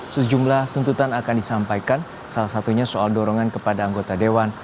sejumlah tuntutan akan disampaikan salah satunya soal dorongan kepada anggota dewan